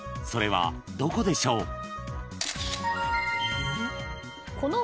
［それはどこでしょう］